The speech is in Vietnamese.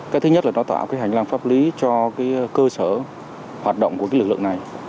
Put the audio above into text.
cái thứ nhất là nó tạo cái hành lang pháp lý cho cái cơ sở hoạt động của cái lực lượng này